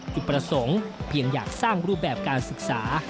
จุดประสงค์เพียงอยากสร้างรูปแบบการศึกษา